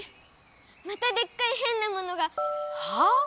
またでっかいへんなものが。はあ？